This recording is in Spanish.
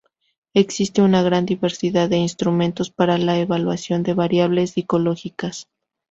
Existe una gran diversidad de instrumentos para la evaluación de variables psicológicas.